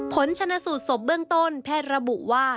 ผลชนะสูตรศพเบื้องต้นแพทย์ระบุว่า